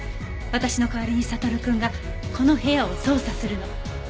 私の代わりに悟くんがこの部屋を捜査するの。